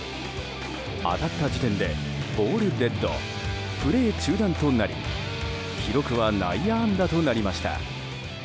当たった時点でボールデッド・プレー中断となり記録は内野安打となりました。